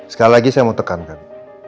sekali lagi saya mau tekankan